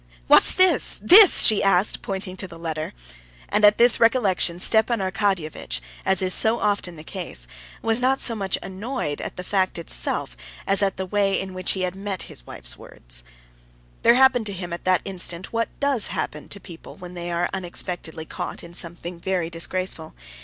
"What's this? this?" she asked, pointing to the letter. And at this recollection, Stepan Arkadyevitch, as is so often the case, was not so much annoyed at the fact itself as at the way in which he had met his wife's words. There happened to him at that instant what does happen to people when they are unexpectedly caught in something very disgraceful.